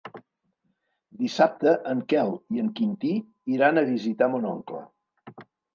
Dissabte en Quel i en Quintí iran a visitar mon oncle.